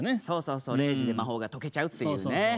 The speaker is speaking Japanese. そうそうそう０時で魔法が解けちゃうっていうね。